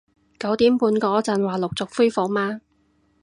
九點半嗰陣話陸續恢復嘛